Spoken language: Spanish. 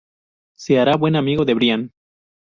Se hará buen amigo de Brian.